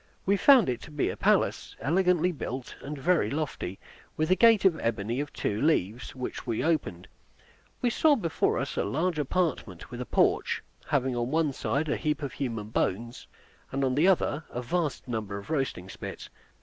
We found it to be a palace, elegantly built, and very lofty, with a gate of ebony of two leaves, which we opened. We saw before us a large apartment, with a porch, having on one side a heap of human bones, and on the other a vast number of roasting spits.